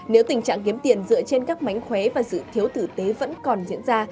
nếu tình trạng kiếm tiền dựa trên các mánh khóe và sự thiếu tử tế vẫn còn diễn ra